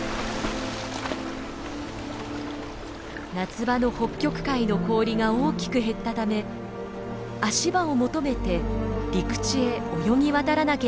夏場の北極海の氷が大きく減ったため足場を求めて陸地へ泳ぎ渡らなければならなくなったのです。